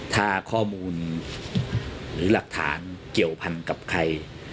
ถ้าข้อมูลหรือหลักฐานเกี่ยวพันกับใคร